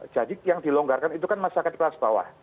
jadi yang dilonggarkan itu kan masyarakat kelas bawah